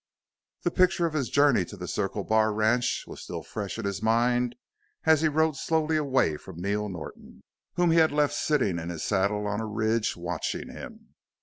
The picture of his journey to the Circle Bar ranch was still fresh in his mind as he rode slowly away from Neil Norton, whom he had left sitting in his saddle on a ridge, watching him.